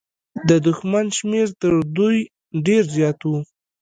د دښمن شمېر تر دوی ډېر زيات و.